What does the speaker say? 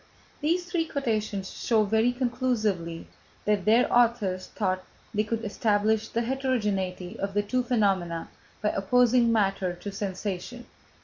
These three quotations show very conclusively that their authors thought they could establish the heterogeneity of the two phenomena by opposing matter to sensation.